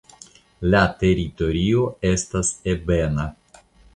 La teritorio estas ebena.